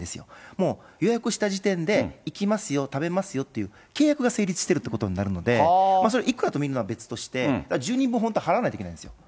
もう予約した時点で、行きますよ、食べますよっていう契約が成立しているということになるので、それいくらと見るのは別として、１０人分本当は払わなきゃいけないんですよ。